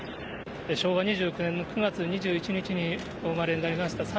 昭和２９年９月２１日にお生まれになりました。